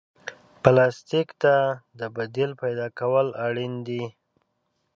پلاستيک ته د بدیل پیدا کول اړین دي.